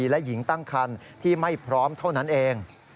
และหญิงตั้งคันที่ไม่พร้อมเท่านั้นเอง